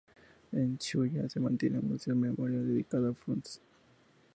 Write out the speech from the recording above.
En Shuya se mantiene un museo memorial dedicado a Frunze.